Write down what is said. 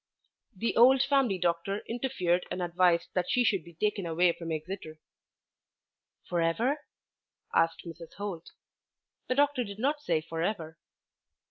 The old family doctor interfered and advised that she should be taken away from Exeter. "For ever?" asked Mrs. Holt. The doctor did not say for ever.